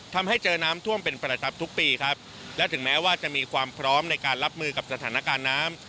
ทำให้เจอน้ำท่วมเป็นประจำทุกปีครับและถึงแม้ว่าจะมีความพร้อมในการรับมือกับสถานการณ์น้ำ